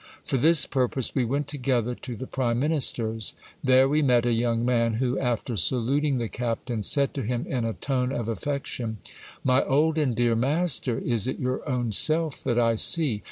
For this purpose we went together to the prime minister's. There we met a young man who, after saluting the captain, said to him in a tone of affection : My old and dear master, is it your own self that I see